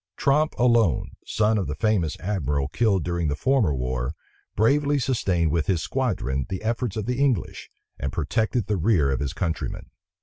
Tromp alone, son of the famous admiral killed during the former war, bravely sustained with his squadron the efforts of the English, and protected the rear of his countrymen.